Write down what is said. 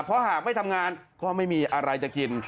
เพราะหากไม่ทำงานก็ไม่มีอะไรจะกิน